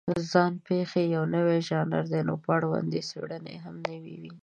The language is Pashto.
ځان پېښې یو نوی ژانر دی، نو په اړوند یې څېړنې هم نوې دي.